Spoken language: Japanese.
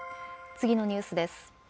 次のニュースです。